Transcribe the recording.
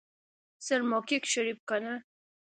سرمحقق شريف کنه.